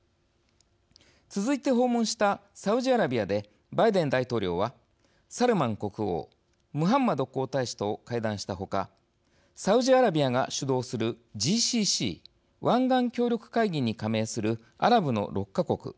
続いて訪問したサウジアラビアでバイデン大統領はサルマン国王ムハンマド皇太子と会談した他サウジアラビアが主導するＧＣＣ＝湾岸協力会議に加盟するアラブの６か国